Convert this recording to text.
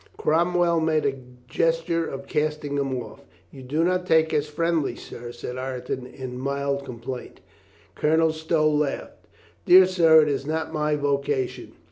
Cromwell made a gesture of casting him off. "You do not take us friendly, sir," said Ireton in mild complaint. Colonel Stow laughed. "Dear sir, it is not my vocation."